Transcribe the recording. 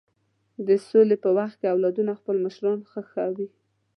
د سولې په وخت کې اولادونه خپل مشران ښخوي.